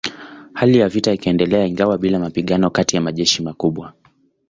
Hali ya vita ikaendelea ingawa bila mapigano kati ya majeshi makubwa.